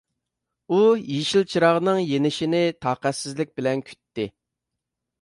ئۇ يېشىل چىراغنىڭ يېنىشىنى تاقەتسىزلىك بىلەن كۈتتى.